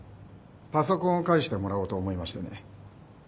パソコンを返してもらおうと思いましてね。